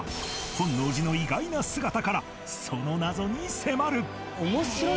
本能寺の意外な姿からその謎に迫る！